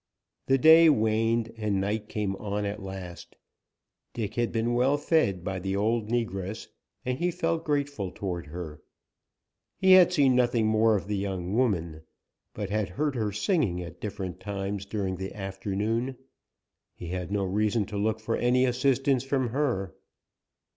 The day waned and night came on at last. Dick had been well fed, by the old negress, and he felt grateful toward her. He had seen nothing more of the young woman, but had heard her singing at different times during the afternoon. He had no reason to look for any assistance from her.